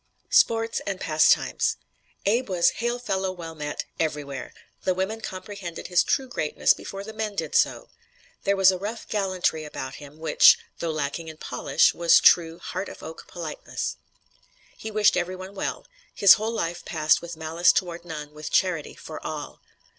SPORTS AND PASTIMES Abe was "hail fellow, well met" everywhere. The women comprehended his true greatness before the men did so. There was a rough gallantry about him, which, though lacking in "polish," was true, "heart of oak" politeness. He wished every one well. His whole life passed with "malice toward none, with charity for all."